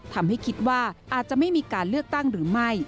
ทำให้คิดว่าอาจจะไม่มีการเลือกตั้งหรือไม่